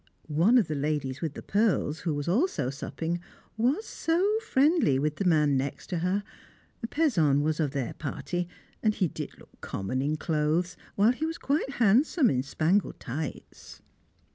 One of the ladies with the pearls, who was also supping, was so friendly to the man next her; Pezon was of their party, and he did look common in clothes, while he was quite handsome in spangled tights.